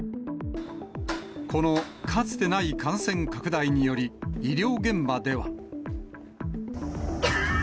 このかつてない感染拡大により、医療現場では。